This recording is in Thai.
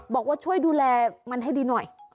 บอกว่าช่วยดูแลมันให้ดีหน่อย